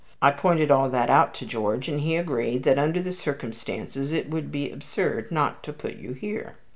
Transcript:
I pointed all that out to George, and he agreed that, under the circumstances, it would be absurd not to put you here."